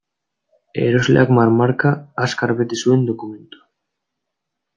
Erosleak marmarka, azkar bete zuen dokumentua.